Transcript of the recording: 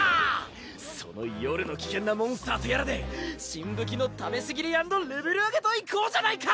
その夜の危険なモンスターとやらで新武器の試し斬り＆レベル上げといこうじゃないか！